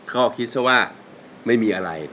เขาคิดว่าไม่มีอะไร